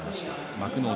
幕内